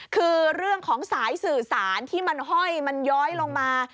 คือเรื่องของสายสื่อสารที่มันห้อยมันย้อยลงมา